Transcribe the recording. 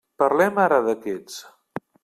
Parlem ara d'aquests.